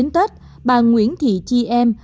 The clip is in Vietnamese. hai mươi chín tết bà nguyễn thị chi em